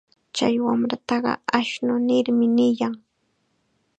Chay wamrataqa ashnu nirmi niyan.